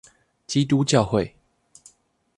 基督教會